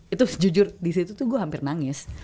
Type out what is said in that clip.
itu jujur disitu tuh gue hampir nangis